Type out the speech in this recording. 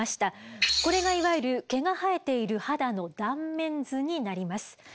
これがいわゆる毛が生えている肌の断面図になります。